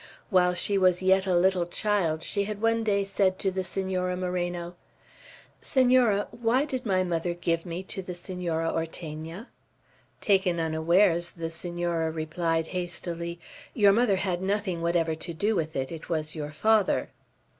While she was yet a little child, she had one day said to the Senora Moreno, "Senora, why did my mother give me to the Senora Ortegna?" Taken unawares, the Senora replied hastily: "Your mother had nothing whatever to do with it. It was your father."